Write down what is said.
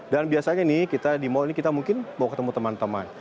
dan biasanya di mall ini kita mungkin bawa ketemu teman teman